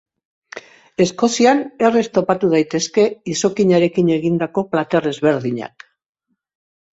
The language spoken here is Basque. Eskozian erraz topatu daitezke izokinarekin egindako plater ezberdinak.